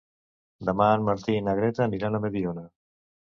Demà en Martí i na Greta aniran a Mediona.